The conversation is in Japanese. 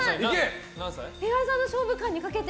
岩井さんの勝負勘にかけて！